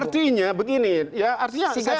artinya begini ya artinya